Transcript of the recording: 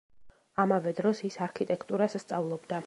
ამავე დროს ის არქიტექტურას სწავლობდა.